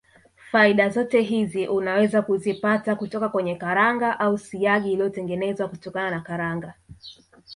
Faida zote hizi unaweza kuzipata kutoka kwenye karanga au siagi iliyotengenezwa kutokana na karanga